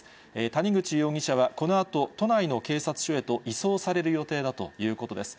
谷口容疑者はこのあと、都内の警察署へと移送される予定だということです。